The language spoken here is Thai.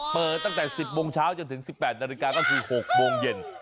เปิดตั้งแต่๑๐โมงเช้าจนถึง๑๘นาฬิกาก็คือ๖โมงเย็น